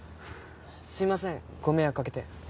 すいませんご迷惑かけて。